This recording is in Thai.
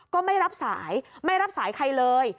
ก็ไม่รับสายไม่รับสายใครเลย